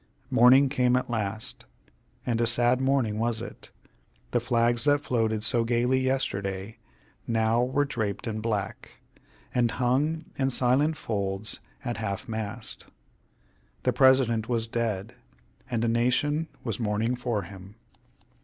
Morning came at last, and a sad morning was it. The flags that floated so gayly yesterday now were draped in black, and hung in silent folds at half mast. The President was dead, and a nation was mourning for him.